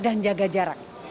dan jaga jarak